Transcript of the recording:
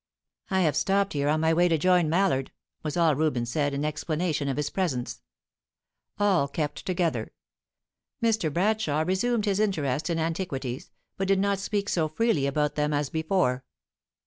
"I have stopped here on my way to join Mallard," was all Reuben said, in explanation of his presence. All kept together. Mr. Bradshaw resumed his interest in antiquities, but did not speak so freely about them as before.